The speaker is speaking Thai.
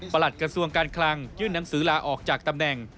หลัดกระทรวงการคลังยื่นหนังสือลาออกจากตำแหน่ง